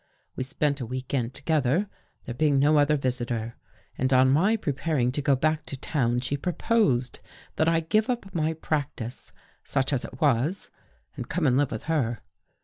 " We spent a week end together, there being no other visitor, and on my preparing to go back to town, she proposed that I give up my practice such as it was, and come and live with her.